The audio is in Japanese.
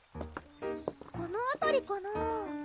このあたりかな？